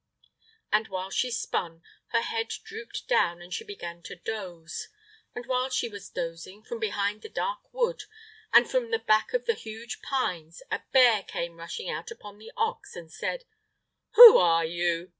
And while she spun, her head drooped down, and she began to doze, and while she was dozing, from behind the dark wood and from the back of the huge pines a bear came rushing out upon the ox and said: "Who are you?